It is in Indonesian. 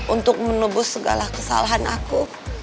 untuk menebus segala kesalahan aku